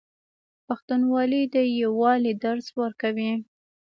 پښتونولي د یووالي درس ورکوي.